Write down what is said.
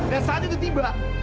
dan saat itu tiba